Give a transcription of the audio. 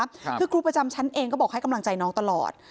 คือครูประจำชั้นเองก็บอกให้กำลังใจน้องตลอด